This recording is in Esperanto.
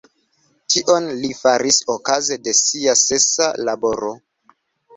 Tion li faris okaze de sia sesa laboro.